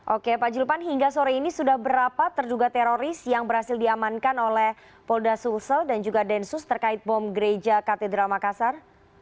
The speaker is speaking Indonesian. oke pak julpan hingga sore ini sudah berapa terduga teroris yang berhasil diamankan oleh polda sulsel dan juga densus terkait bom gereja katedral makassar